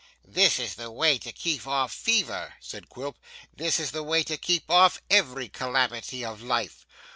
'This is the way to keep off fever,' said Quilp, 'this is the way to keep off every calamity of life!